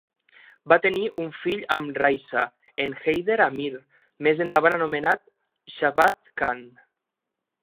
Va tenir un fill amb Raisa, en Haider Amir, més endavant anomenat Shahbaz Khan,